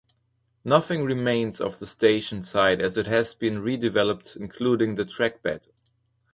Nothing remains of the station site as it has been redeveloped including the trackbed.